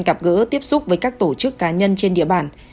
gặp gỡ tiếp xúc với các tổ chức cá nhân trên địa bàn